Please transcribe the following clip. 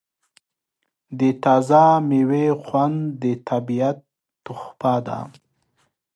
د تازه میوې خوند د طبیعت تحفه ده.